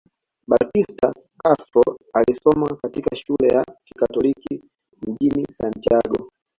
Batista Castro alisoma katika shule ya kikatoliki mjini Santiago